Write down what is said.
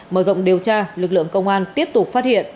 mở rộng điều tra lực lượng công an tiếp tục phát hiện